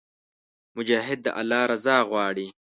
مجاهد د الله رضا غواړي.